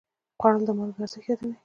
خوړل د مالګې ارزښت یادوي